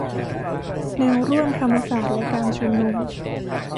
แนวร่วมธรรมศาสตร์และการชุมนุม